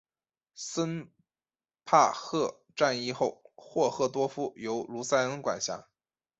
森帕赫战役后霍赫多夫由卢塞恩管辖。